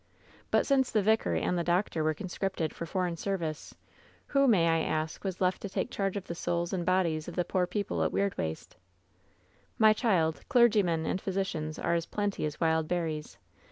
But since the vicar and the doctor were conscripted for foreign service, who, may I ask, was left to take charge of the souls and bodies of the poor people at Weirdwaste?' " 'My child, clergymen and physicians are as plenty as wild berries.